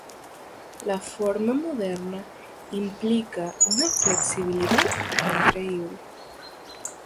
La forma moderna implica una flexibilidad increíble.